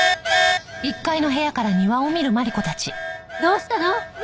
どうしたの？